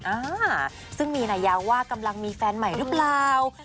อ่าซึ่งมีนายาว่ากำลังมีแฟนใหม่หรือเปล่า